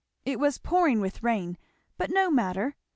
It was pouring with rain, but no matter.